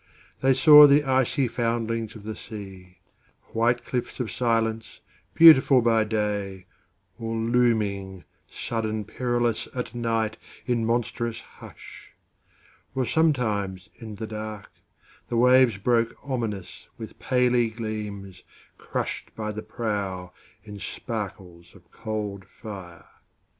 They saw the icy foundlings of the sea, White cliffs of silence, beautiful by day, Or looming, sudden perilous, at nightIn monstrous hush; or sometimes in the darkThe waves broke ominous with paly gleamsCrushed by the prow in sparkles of cold fire.